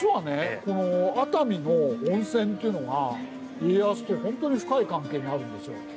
この熱海の温泉というのが家康とほんとに深い関係にあるんですよ。